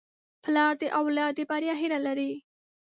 پلار د اولاد د بریا هیله لري.